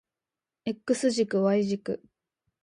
X 軸 Y 軸